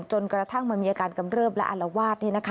จนกระทั่งมันมีอาการกำเริบและอารวาส